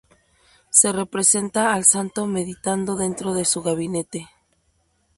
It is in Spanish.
Se representa al santo meditando dentro de su gabinete.